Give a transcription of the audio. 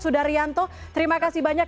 sudaryanto terima kasih banyak